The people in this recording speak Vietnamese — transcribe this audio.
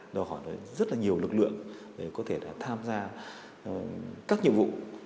đòi hỏi rất là nhiều lực lượng để có thể tham gia các nhiệm vụ